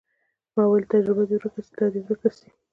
ما وويل تجربه دې يې ورکه سي دا دې ورکه سي.